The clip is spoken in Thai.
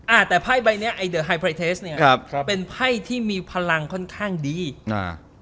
อ่าแต่ไพ่ใบเนี้ยไอเดอร์ไฮไลเทสเนี้ยครับครับเป็นไพ่ที่มีพลังค่อนข้างดีอ่า